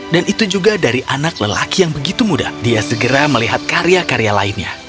dan itu juga dari anak lelaki yang begitu muda dia segera melihat karya karya lainnya